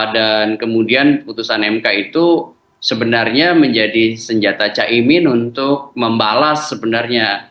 dan kemudian keputusan mk itu sebenarnya menjadi senjata cak imin untuk membalas sebenarnya